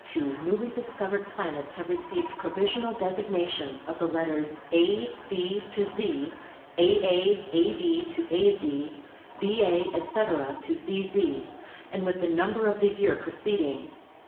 Since 1892 newly discovered planets have received pro visional designations of the letters A, B to Z ; AA, AB to AZ; BA, etc., to ZZ, and with the number of the year preceding.